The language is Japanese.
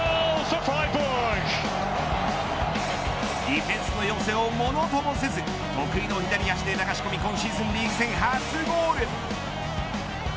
ディフェンスの寄せを物ともせず得意な左足で流し込み今シーズンリーグ戦初ゴール。